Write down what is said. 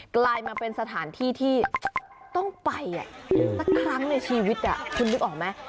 กลายมาเป็นสถานที่ที่ต้องไปสักครั้งในชีวิตคุณนึกออกไหม